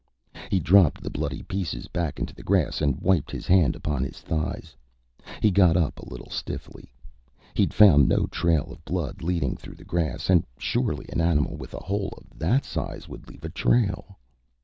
He dropped the bloody pieces back into the grass and wiped his hand upon his thighs. He got up a little stiffly. He'd found no trail of blood leading through the grass, and surely an animal with a hole of that size would leave a trail.